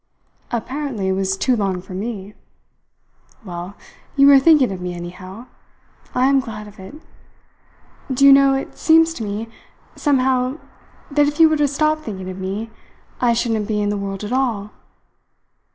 "Apparently it was too long for me." "Well, you were thinking of me, anyhow. I am glad of it. Do you know, it seems to me, somehow, that if you were to stop thinking of me I shouldn't be in the world at all!"